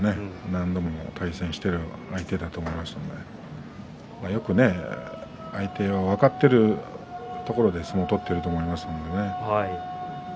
何度も対戦している相手だと思いますのでよく相手が分かっているところで相撲を取っていると思いますのでね。